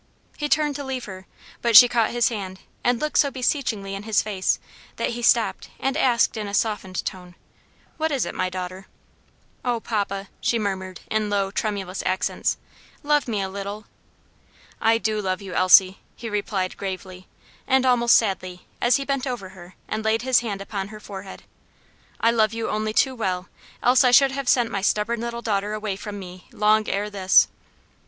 He turned to leave her, but she caught his hand, and looked so beseechingly in his face, that he stopped and asked in a softened tone, "What is it, my daughter?" "Oh, papa!" she murmured in low, tremulous accents, "love me a little." "I do love you, Elsie," he replied gravely, and almost sadly, as he bent over her and laid his hand upon her forehead. "I love you only too well, else I should have sent my stubborn little daughter away from me long ere this."